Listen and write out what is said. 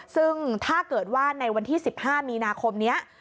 ซึ่งถ้าเกิดว่าในวันที่๑๕มีนาคมนี้